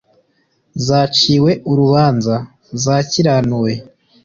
. Zaciwe urubanza: Zakiranuwe.